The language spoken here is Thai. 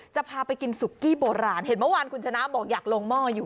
จะพาไปกินสุกี้โบราณเห็นเมื่อวานคุณชนะบอกอยากลงหม้ออยู่